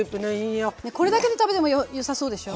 これだけで食べてもよさそうでしょ。